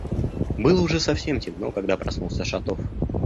Было уже совсем темно, когда проснулся Шатов.